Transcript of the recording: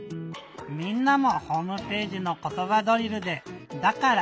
みんなもホームページの「ことばドリル」で「だから」